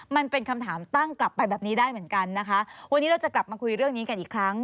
มันเป็นคำถามตั้งกลับไปแบบนี้ได้เหมือนกันนะคะวันนี้เราจะกลับมาคุยเรื่องนี้กันอีกครั้ง